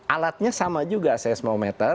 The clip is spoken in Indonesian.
alatnya sama juga seismometer